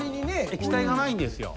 液体がないんですよ。